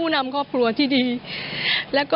ลูกชายวัย๑๘ขวบบวชหน้าไฟให้กับพุ่งชนจนเสียชีวิตแล้วนะครับ